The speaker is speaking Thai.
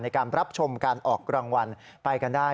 รับชมการออกรางวัลไปกันได้